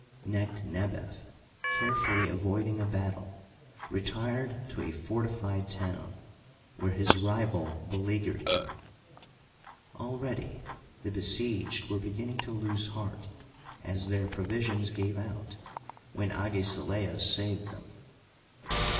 Necht nebef, carefully avoiding a battle, retired to a fortified town, where his rivai beleaguered him. Already the besieged were beginning to lose heart, as their provisions gave out, when Agesilaos saved them.